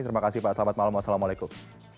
terima kasih pak selamat malam assalamualaikum